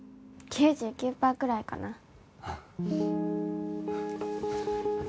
９９パーくらいかな。